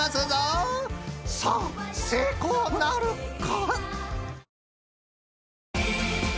［さあ成功なるか］